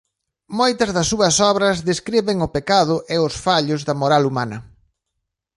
Moitas das súas obras describen o pecado e os fallos da moral humana.